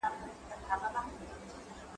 زه به سبا د کتابتوننۍ سره مرسته وکړم؟